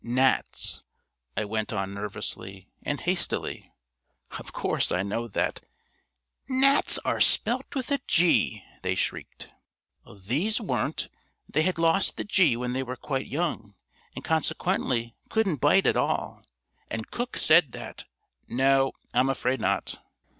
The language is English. "Gnats," I went on nervously and hastily. "Of course I know that " "Gnats are spelt with a G," they shrieked. "These weren't. They had lost the G when they were quite young, and consequently couldn't bite at all, and Cook said that " "No; I'm afraid not."